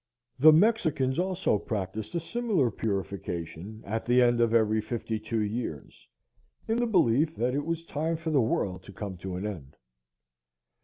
The Mexicans also practised a similar purification at the end of every fifty two years, in the belief that it was time for the world to come to an end.